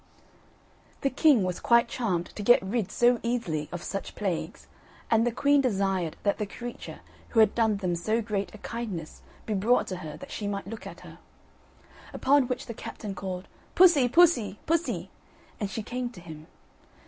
The king was quite charmed to get rid so easily of such plagues, and the queen desired that the creature who had done them so great a kindness might be brought to her, that she might look at her. Upon which the captain called: "Pussy, pussy, pussy!" and she came to him.